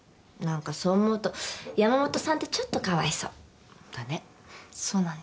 何かそう思うと山本さんってちょっとかわいそう。